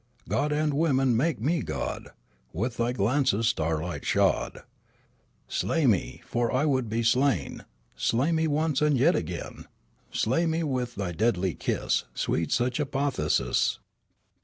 God and woman, make me god ; With thy glances starlight shod Slay me ; for I would be slain ; Slay me once and yet again ; Slay me with thy deadly kiss ; Sweet such apotheosis